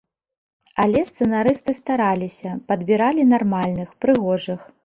Але сцэнарысты стараліся, падбіралі нармальных, прыгожых.